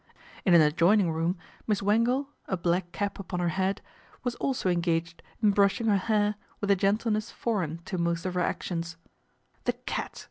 In an adjoining room Miss Wangle, a black cap upon her head, was also engaged in brushing her hair with a gentleness foreign to most of her actions " The cat